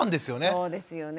そうですよね。